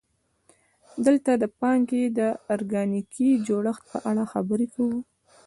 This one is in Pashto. دلته د پانګې د ارګانیکي جوړښت په اړه خبرې کوو